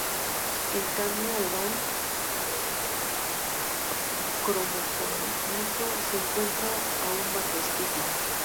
En cambio al Adán cromosómico se encuentra aún bajo estudio.